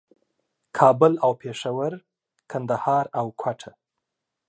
کابل او پېښور، کندهار او کوټه